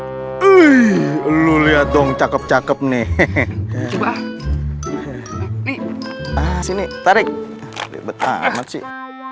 hai wih lu lihat dong cakep cakep nih hehehe coba ini tarik betah masih